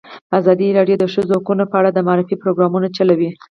ازادي راډیو د د ښځو حقونه په اړه د معارفې پروګرامونه چلولي.